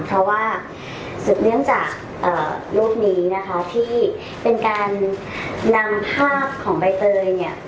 เพราะว่าสูตรเนื่องจากโลกนี้ที่เป็นการนำภาพของใบเตย